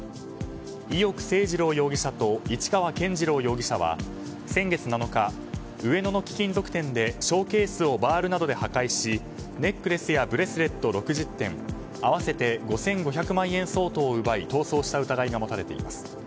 伊能誠二郎容疑者と市川健二朗容疑者は先月７日上野の貴金属店でショーケースをバールなどで破壊しネックレスやブレスレット６０点合わせて５５００万円相当を奪い逃走した疑いが持たれています。